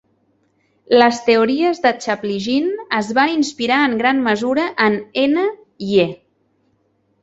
Les teories de Chaplygin es van inspirar en gran mesura en N. Ye.